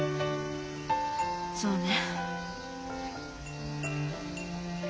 そうね。